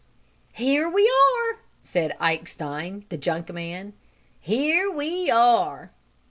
"Here we are," said Ike Stein, the junk man. "Here we are!"